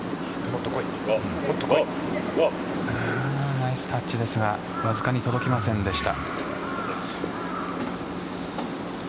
ナイスタッチですがわずかに届きませんでした。